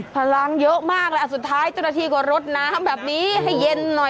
พลังเยอะมากครับสุดท้าย๑นาทีก็ลดน้ำแบบนี้ให้เย็นหน่อย